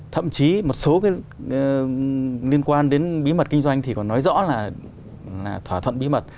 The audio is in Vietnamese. thậm chí một số cái liên quan đến bí mật kinh doanh thì còn nói rõ là thỏa thuận bí mật